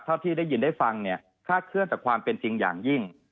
ที่ได้ยินได้ฟังเนี่ยคาดเคลื่อนจากความเป็นจริงอย่างยิ่ง